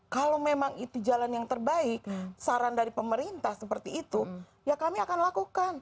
kalau memang itu jalan yang terbaik saran dari pemerintah seperti itu ya kami akan lakukan